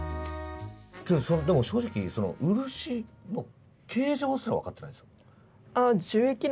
正直漆の形状すら分かってないです。